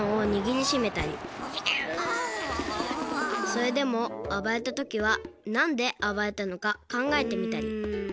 それでもあばれたときはなんであばれたのかかんがえてみたりうん。